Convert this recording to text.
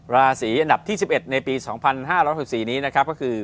ราศีอันดับที่๑๑ในปี๒๕๑๔นี้ก็คือ